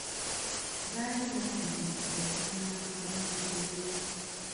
Baali baasindikibwa okukuuma amaka ga mukulu we.